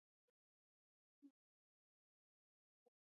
سلیمان غر د افغانستان په طبیعت کې مهم رول لري.